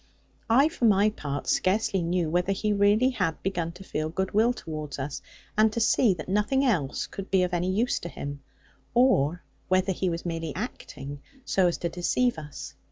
I, for my part, scarcely knew whether he really had begun to feel goodwill towards us, and to see that nothing else could be of any use to him; or whether he was merely acting, so as to deceive us.